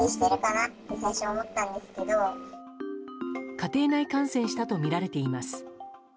家庭内感染したとみられています。